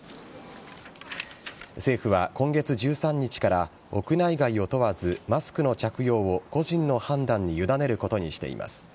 政府は今月１３日から屋内外を問わずマスクの着用を個人の判断に委ねることにしています。